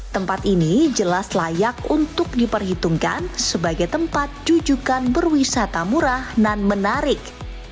tempat ini jelas layak untuk diperhitungkan sebagai tempat dudukan berwisata murah dan menarik